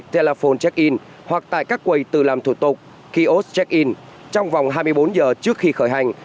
telephone check in hoặc tại các quầy tự làm thủ tục trong vòng hai mươi bốn h trước khi khởi hành